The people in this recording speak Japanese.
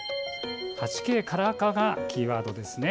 ８Ｋカラー化がキーワードですね。